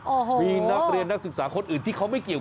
โอ้โหมีนักเรียนนักศึกษาคนอื่นที่เขาไม่เกี่ยว